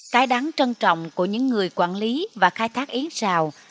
cái đáng trân trọng của những người quản lý và khai thác yến rào